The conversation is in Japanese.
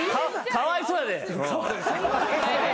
かわいそうやで。